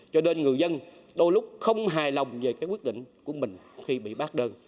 cho nên người dân đôi lúc không hài lòng về cái quyết định của mình khi bị bác đơn